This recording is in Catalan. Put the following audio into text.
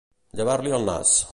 Llevar-li el nas.